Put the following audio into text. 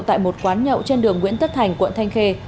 tại một quán nhậu trên đường nguyễn tất thành quận thanh khê